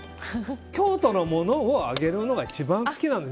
京都のものをあげるのが一番好きなの。